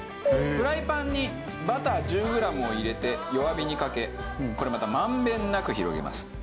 フライパンにバター１０グラムを入れて弱火にかけこれまた満遍なく広げます。